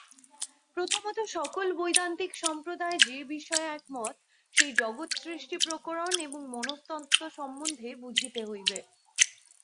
প্রথমত সকল বৈদান্তিক সম্প্রদায় যে-বিষয়ে একমত, সেই জগৎসৃষ্টিপ্রকরণ এবং মনস্তত্ত্ব সম্বন্ধে বুঝিতে হইবে।